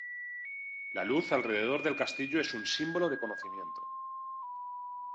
La luz alrededor del castillo es un símbolo de conocimiento.